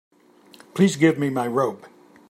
Please give me my robe.